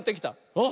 あっ！